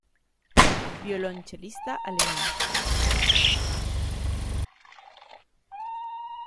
Violonchelista alemán.